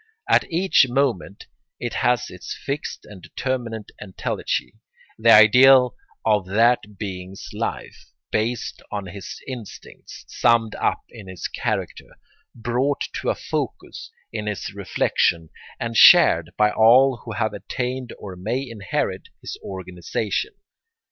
At each moment it has its fixed and determinate entelechy, the ideal of that being's life, based on his instincts, summed up in his character, brought to a focus in his reflection, and shared by all who have attained or may inherit his organisation.